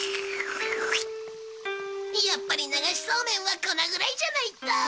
やっぱり流しそうめんはこのぐらいじゃないと。